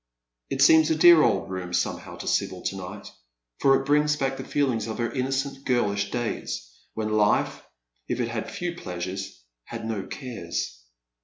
It seems a dear old room somehow to Sibyl to night, for it brings back the feelings of her innocent girlish days, when life, if it had few pleasures, had no cares.